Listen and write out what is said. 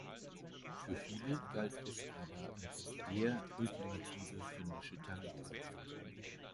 Für viele galt es aber als „der“ ultimative finnische Tango.